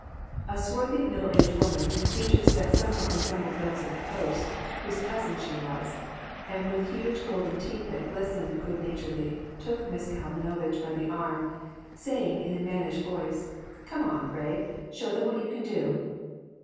A swarthy, middle aged woman, with features that somewhat resembled those of the host, whose cousin she was, and with huge golden teeth that glistened good naturedly, took Miss Kalmanovitch by the arm, saying in a mannish voice: "Come on, Ray! Show them what you can do!"